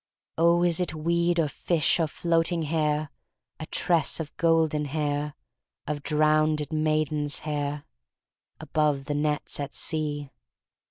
"Oh, is it weed, or fish, or floating hair? — A tress of golden hair. Of drowned maiden's hair, Above the nets at sea.